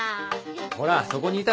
ほらそこにいたら邪魔。